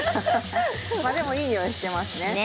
でも、いいにおいがしてますね。